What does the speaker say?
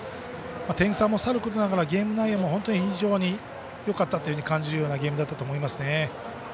点差もさることながらゲーム内容も非常によかったと感じるようなゲームでした。